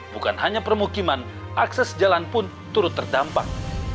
bukan hanya permukiman akses jalan pun turut terdampak